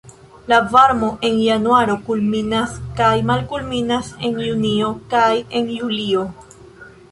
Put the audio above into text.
La varmo en januaro kulminas kaj malkulminas en junio kaj en julio.